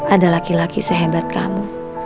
ada laki laki sehebat kamu